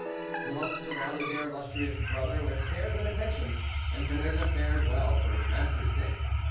The monks surrounded their illustrious brother with cares and attentions, and Panurge fared well for his master's sake.